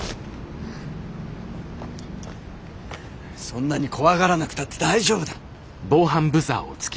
そんなに怖がらなくたって大丈夫だ。